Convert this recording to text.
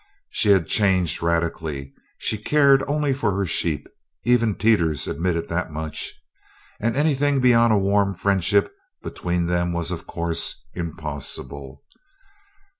She had changed radically; she cared only for her sheep even Teeters admitted that much. Anything beyond a warm friendship between them was, of course, impossible.